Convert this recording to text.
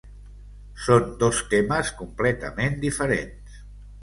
Són dos temes completament diferents.